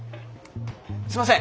すいません！